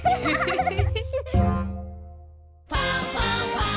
「ファンファンファン」